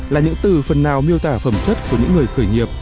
là những từ phần nào miêu tả phẩm chất của những người khởi nghiệp